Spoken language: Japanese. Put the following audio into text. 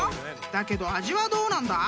［だけど味はどうなんだ？